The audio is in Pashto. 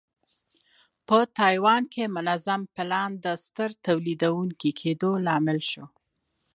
په تایوان کې منظم پلان د ستر تولیدوونکي کېدو لامل شو.